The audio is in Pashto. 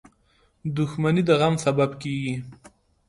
• دښمني د غم سبب کېږي.